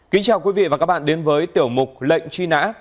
kính chào quý vị và các bạn đến với tiểu mục lệnh truy nã